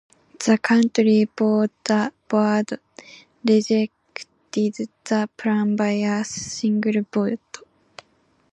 The county board rejected the plan by a single vote.